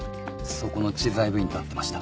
そこの知財部員と会ってました。